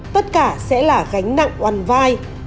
tất cả sẽ là gánh nặng oằn vai